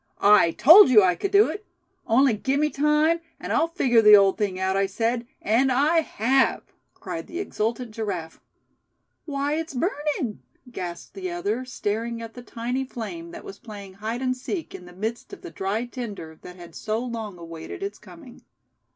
"I told you I c'd do it! On'y gimme time, and I'll figger the old thing out, I said; and I have!" cried the exultant Giraffe. "Why, it's burnin'!" gasped the other, staring at the tiny flame that was playing hide and seek in the midst of the dry tinder that had so long awaited its coming.